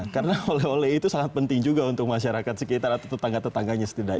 karena oleh oleh itu sangat penting juga untuk masyarakat sekitar atau tetangga tetangganya setidaknya